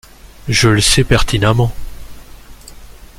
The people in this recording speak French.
Je le sais pertinemment.